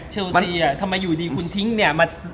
เชลซีอ่ะทำไมอยู่ดีคุณทิ้งเนี่ยมาวัดกับสเปอร์เนี่ย